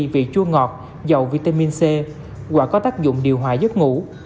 vị chua ngọt dầu vitamin c hoặc có tác dụng điều hòa giấc ngủ